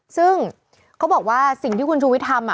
ซึ่งเขาบอกว่าสิ่งที่คุณชูวิทย์ทำ